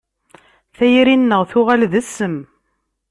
Tayri-nneɣ tuɣal d ssem.